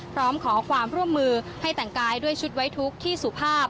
พร้อมขอความร่วมมือให้แต่งกายด้วยชุดไว้ทุกข์ที่สุภาพ